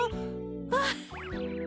あっ。